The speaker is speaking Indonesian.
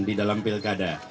di dalam pilkada